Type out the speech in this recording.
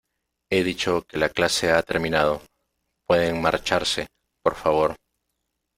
he dicho que la clase ha terminado. pueden marcharse, por favor .